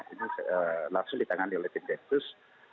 ini langsung ditangani oleh tim densus